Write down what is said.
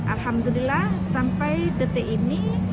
alhamdulillah sampai detik ini